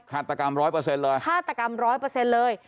ฆาตกรรมร้อยเปอร์เซ็นต์เลยฆาตกรรมร้อยเปอร์เซ็นต์เลย